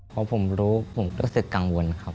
พอผมรู้ผมรู้สึกกังวลครับ